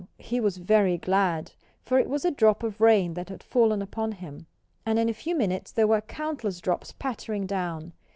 He was very glad. For it was a drop of rain that had fallen upon him. And in a few minutes there were countless drops pattering down.